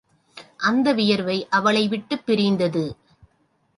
அந்த வியர்வை அவளை விட்டுப் பிரிந்தது.